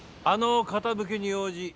あの傾きに応じ。